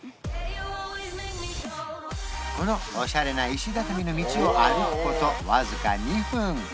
このオシャレな石畳の道を歩くことわずか２分